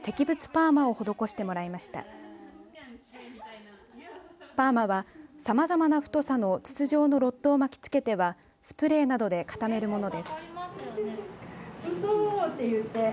パーマは、さまざまな太さの筒状のロッドを巻きつけてスプレーなどで固めるものです。